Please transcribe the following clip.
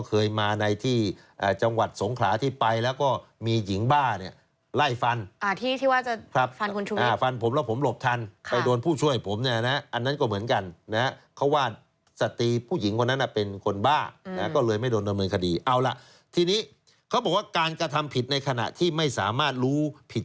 เกิดเกิดเกิดเกิดเกิดเกิดเกิดเกิดเกิดเกิดเกิดเกิดเกิดเกิดเกิดเกิดเกิดเกิดเกิดเกิดเกิดเกิดเกิดเกิดเกิดเกิดเกิดเกิด